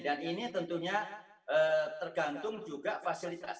dan ini tentunya tergantung juga fasilitas